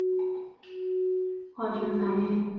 副产品是指衍生自制造过程或化学反应的次产物。